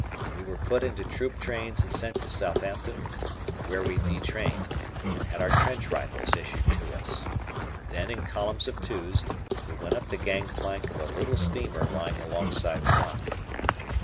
We were put into troop trains and sent to Southampton, where we detrained, and had our trench rifles issued to us. Then in columns of twos we went up the gangplank of a little steamer lying alongside the dock.